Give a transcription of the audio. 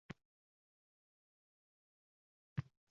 Va muloyim, mo‘min erkaklar.